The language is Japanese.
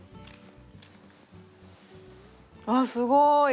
あすごい！